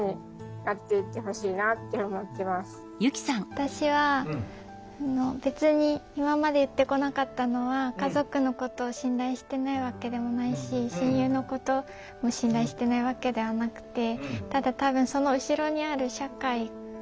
私は別に今まで言ってこなかったのは家族のことを信頼してないわけでもないし親友のことも信頼してないわけではなくて。